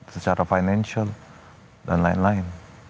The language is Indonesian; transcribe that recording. secara financial dan lain lain